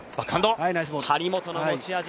張本の持ち味